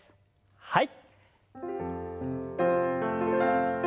はい。